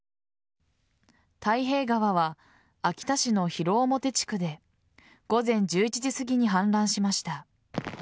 太平川は秋田市の広面地区で午前１１時すぎに氾濫しました。